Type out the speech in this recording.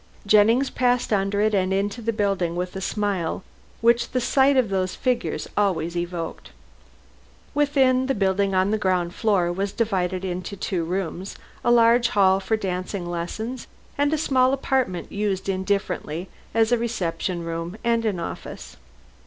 Jennings passed under it and into the building with a smile which the sight of those figures always evoked. Within, the building on the ground floor was divided into two rooms a large hall for the dancing lessons and a small apartment used indifferently as a reception room and an office.